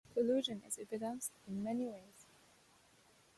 Collusion is evidenced in many ways.